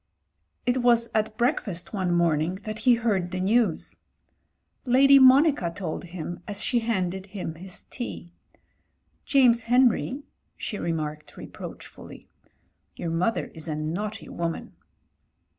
It was at breakfast one morning that he heard the news. Lady Monica told him as she handed him his tea, "Jsmes Henry," she remarked reproachfully, "your mother is a naughty woman."